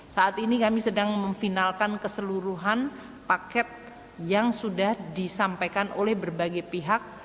saat ini kami sedang memfinalkan keseluruhan paket yang sudah disampaikan oleh berbagai pihak